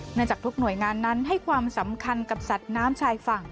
จากทุกหน่วยงานนั้นให้ความสำคัญกับสัตว์น้ำชายฝั่ง